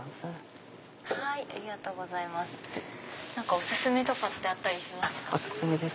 お薦めとかってあったりしますか？